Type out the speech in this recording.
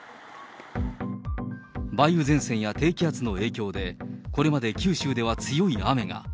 梅雨前線や低気圧の影響で、これまで九州では強い雨が。